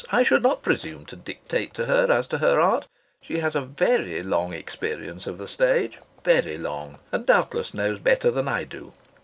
I should not presume to dictate to her as to her art. She has had a very long experience of the stage, very long, and doubtless knows better than I do.